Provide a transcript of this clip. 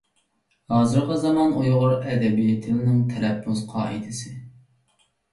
ھازىرقى زامان ئۇيغۇر ئەدەبىي تىلىنىڭ تەلەپپۇز قائىدىسى